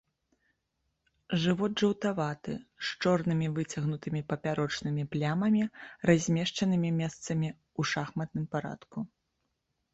Жывот жаўтаваты, з чорнымі, выцягнутымі папярочнымі плямамі, размешчанымі месцамі ў шахматным парадку.